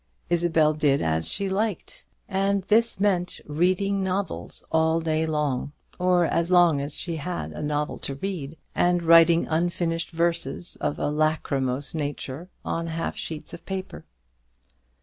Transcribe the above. Isabel did as she liked; and this meant reading novels all day long, or as long as she had a novel to read, and writing unfinished verses of a lachrymose nature on half sheets of paper.